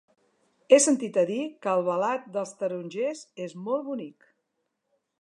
He sentit a dir que Albalat dels Tarongers és molt bonic.